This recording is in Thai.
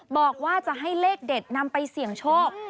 บอกว่าจะให้เลขเด็ดนำไปเสี่ยงโชค